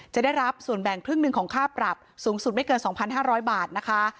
จะได้รับส่วนแบ่งครึ่งหนึ่งของค่าปรับสูงสุดไม่เกิน๒๕๐๐บาทนะคะ